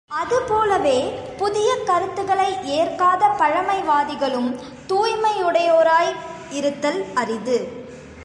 அதுபோலவே புதியக் கருத்துக்களை ஏற்காத பழமைவாதிகளும் தூய்மை யுடையோராய் இருத்தல் அரிது.